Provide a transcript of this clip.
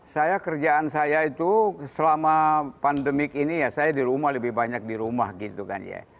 saya kerjaan saya itu selama pandemik ini ya saya di rumah lebih banyak di rumah gitu kan ya